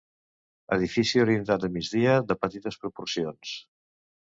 Edifici orientat a migdia de petites proporcions.